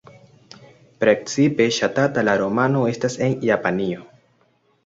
Precipe ŝatata la romano estas en Japanio.